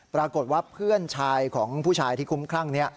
ปรากฏว่าเพื่อนชายของผู้ชายที่คุ้มคลั่งนี้